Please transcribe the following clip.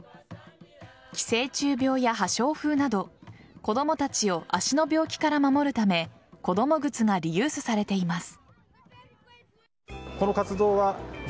寄生虫病や破傷風など子供たちを足の病気から守るため子供靴がリユースされています。